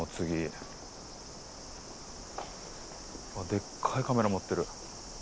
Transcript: でっかいカメラ持ってる。